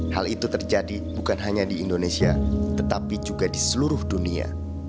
hal itu terjadi bukan hanya di indonesia tetapi juga di seluruh dunia